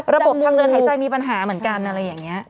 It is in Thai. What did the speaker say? ระบบทางเดินหายใจมีปัญหาเหมือนกันอะไรอย่างนี้